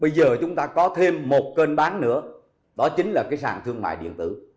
bây giờ chúng ta có thêm một kênh bán nữa đó chính là cái sàn thương mại điện tử